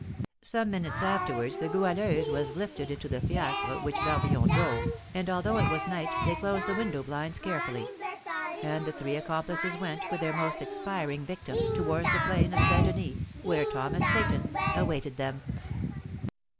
Some minutes afterwards the Goualeuse was lifted into the fiacre which Barbillon drove, and although it was night they closed the window blinds carefully; and the three accomplices went, with their almost expiring victim, towards the plain of St. Denis, where Thomas Seyton awaited them.